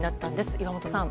岩本さん。